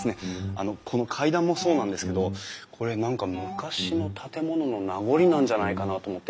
あのこの階段もそうなんですけどこれ何か昔の建物の名残なんじゃないかなと思って。